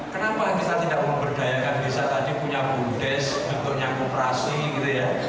kenapa kita tidak mau berdayakan desa tadi punya budes bentuknya kooperasi gitu ya